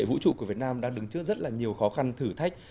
vũ trụ của việt nam đang đứng trước rất là nhiều khó khăn thử thách